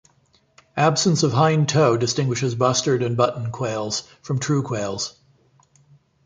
Absence of hind toe distinguishes Bustard and Button quails from true quails.